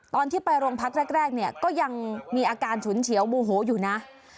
ตอนที่ไปโรงพักแรกเนี่ยก็ยังมีอาการฉุนเฉียวโมโหอยู่นะ